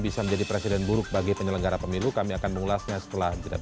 bisa menjadi presiden buruk bagi penyelenggara pemilu kami akan mengulasnya setelah jeda